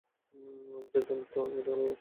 আমার সিদ্ধান্তে আমি অটল অবিচল।